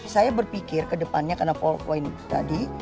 saya berpikir ke depannya karena powerpoint tadi